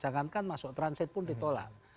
jangankan masuk transit pun ditolak